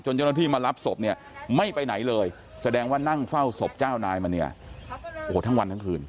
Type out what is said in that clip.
เจ้าหน้าที่มารับศพเนี่ยไม่ไปไหนเลยแสดงว่านั่งเฝ้าศพเจ้านายมาเนี่ยโอ้โหทั้งวันทั้งคืน